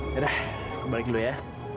yaudah balik dulu ya